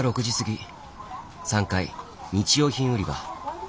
３階日用品売り場。